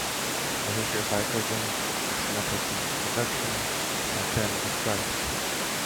The history of hydrogen and its methods of production are then described.